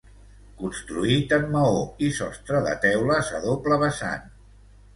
Construït en maó i sostre de teules a doble vessant.